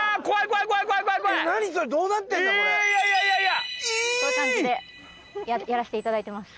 こういう感じでやらせて頂いてます。